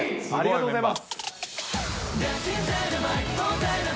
ありがとうございます。